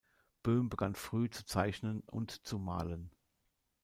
Böhm begann früh zu zeichnen und zu malen.